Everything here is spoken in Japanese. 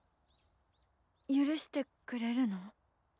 許してくれるの？